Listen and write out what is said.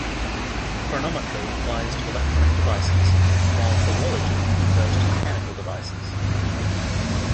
Chronometry applies to electronic devices, while Horology refers to mechanical devices.